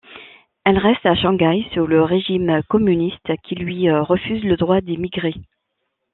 Elle reste à Shanghai sous le régime communiste qui lui refuse le droit d'émigrer.